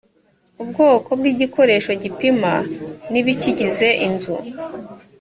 ubwoko bw igikoresho gipima n ibikigize inzu